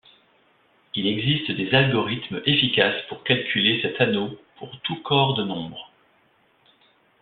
Il existe des algorithmes efficaces pour calculer cet anneau pour tout corps de nombres.